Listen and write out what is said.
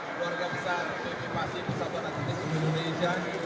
keluarga besar smp fasi pesawat atletik indonesia